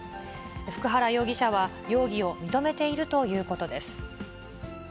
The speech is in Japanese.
普久原容疑者は、容疑を認めているということです。